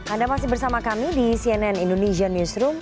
anda masih bersama kami di cnn indonesia newsroom